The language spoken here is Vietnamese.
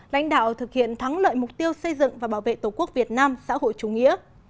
lãnh đạo thực hiện thắng lợi mục tiêu xây dựng và bảo vệ tổ quốc việt nam xã hội chủ nghĩa